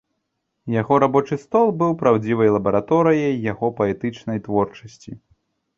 Яго рабочы стол быў праўдзівай лабараторыяй яго паэтычнай творчасці.